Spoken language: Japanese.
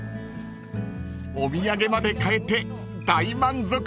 ［お土産まで買えて大満足です］